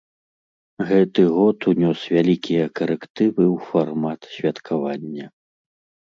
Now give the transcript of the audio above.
Гэты год унёс вялікія карэктывы ў фармат святкавання.